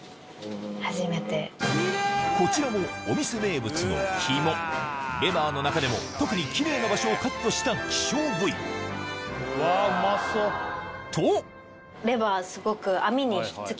こちらもお店名物のキモレバーの中でも特にキレイな場所をカットした希少部位とさらにを直撃！